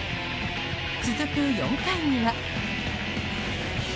続く４回には。